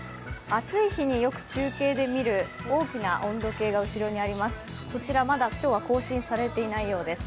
暑い日によく中継で見る大きな温度計が後ろにあります。